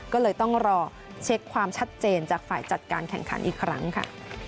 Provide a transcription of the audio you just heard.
ก็เลยต้องรอเช็คความชัดเจนจากฝ่ายจัดการแข่งขันอีกครั้งค่ะ